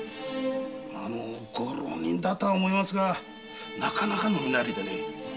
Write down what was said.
ご浪人だと思いますがなかなかの身なりで。